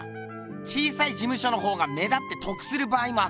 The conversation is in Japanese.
小さい事務所のほうが目立ってとくする場合もあっかんな。